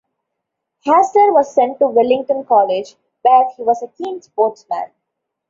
Hasler was sent to Wellington College, where he was a keen sportsman.